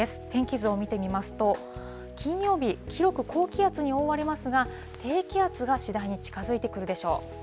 天気図を見てみますと、金曜日、広く高気圧に覆われますが、低気圧が次第に近づいてくるでしょう。